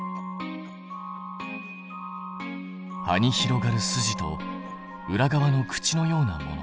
葉に広がる筋と裏側の口のようなもの。